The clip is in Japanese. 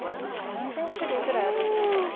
何千種類ぐらいあるんですか？